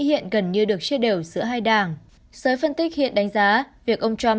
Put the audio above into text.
hiện gần như được chia đều giữa hai đảng giới phân tích hiện đánh giá việc ông trump